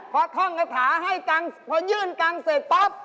พอท่องกระถาให้กันพอยื่นกันเสร็จปั๊บ